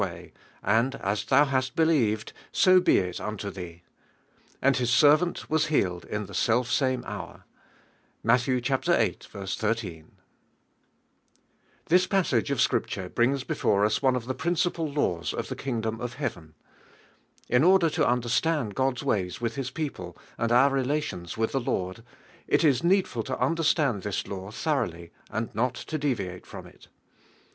way; and as thou Imst believed, so be it unto Hue. Aufl his servaut was lualed in the self same hour (.Mutt, viii. 18). TUIS riassa.^ fl f Scripture brings be fore us one of the principal laws of tlii.' kingdom of heaven. In order to understand God's ways with J I is people and our relations with the Lord, it is needful to understand this law thorough I j and not to deviate from it.